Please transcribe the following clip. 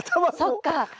そっか。